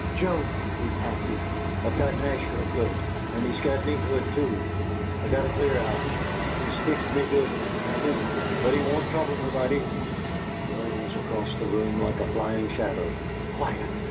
"Joe," he panted, "I've got Nashville good, and he's got me good, too; I got to clear out. He's fixed me good, damn him! but he won't trouble nobody " Joe was across the room like a flying shadow. "QUIET!"